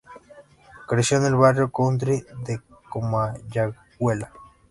Creció en el barrio Country, de Comayagüela.